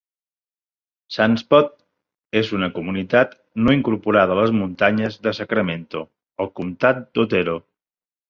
Sunspot és una comunitat no incorporada a les muntanyes de Sacramento al comtat d'Otero.